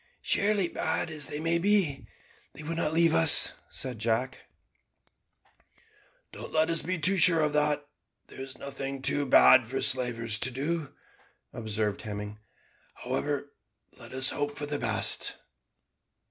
"Surely, bad as they may be, they would not leave us," said Jack. "Don't let us be too sure of that. There is nothing too bad for slavers to do," observed Hemming; "however, let us hope for the best."